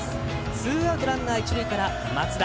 ツーアウトランナー、一塁から松田。